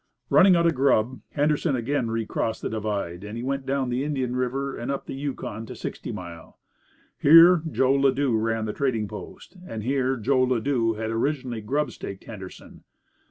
Running out of grub, Henderson again recrossed the divide, and went down the Indian River and up the Yukon to Sixty Mile. Here Joe Ladue ran the trading post, and here Joe Ladue had originally grub staked Henderson.